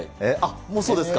もう、そうですか。